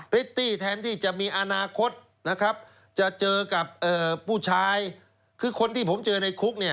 พริตตี้แทนที่จะมีอนาคตนะครับจะเจอกับผู้ชายคือคนที่ผมเจอในคุกเนี่ย